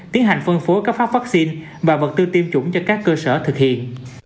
tiến hành phân phối các phát vaccine và vật tư tiêm chủng cho các cơ sở thực hiện